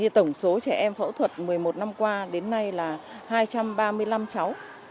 tổng số trẻ em phẫu thuật một mươi một năm qua đến nay là hai trăm ba mươi năm cháu